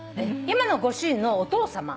今のご主人のお父さま。